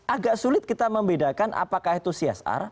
agak sulit kita membedakan apakah itu csr